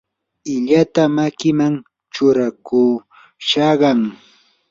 illata makiman churakushaqam.